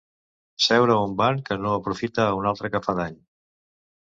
Seure a un banc que no aprofita a un altre fa dany.